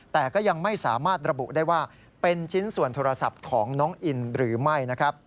แต่ก็ยังไม่สามารถระบุได้ว่าเป็นชิ้นส่วนโทรศัพท์ของน้องอินหรือไม่นะครับ